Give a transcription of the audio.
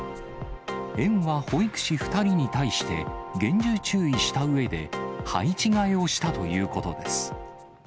園は保育士２人に対して厳重注意したうえで配置換えをしたということです。